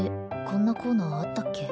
こんなコーナーあったっけ？